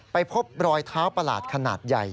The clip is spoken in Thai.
ไปพบรอยเท้าประหลาดขนาดใหญ่